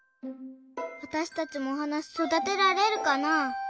わたしたちもおはなそだてられるかな？